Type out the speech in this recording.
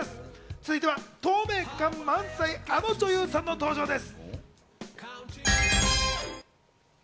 続いては透明感のあるあの女優さんが登場です。